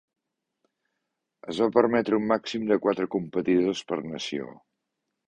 Es va permetre un màxim de quatre competidors per nació.